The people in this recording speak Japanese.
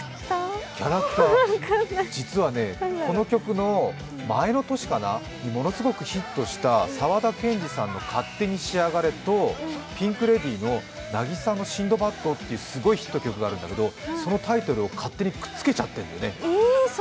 分からない実はね、この曲の前の年かなものすごくヒットした沢田研二さんの「勝手にしやがれ」とピンク・レディーの「渚のシンドバッド」というすごいヒット曲があるんだけどそのタイトルを勝手にくっつけちゃっているんだよね。